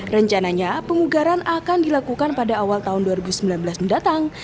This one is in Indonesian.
rencananya pemugaran akan dilakukan pada awal tahun dua ribu sembilan belas mendatang